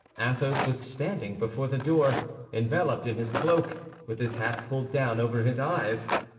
Athos was standing before the door, enveloped in his cloak, with his hat pulled down over his eyes.